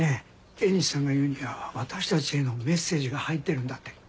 エニシさんが言うには私たちへのメッセージが入ってるんだって。